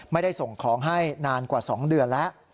ไม่ได้ส่งของให้นานกว่า๒เดือนแล้ว